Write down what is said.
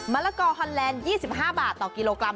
ละกอฮอนแลนด์๒๕บาทต่อกิโลกรัม